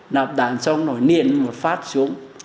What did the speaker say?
nạp đạn xong rồi niện một phát xuống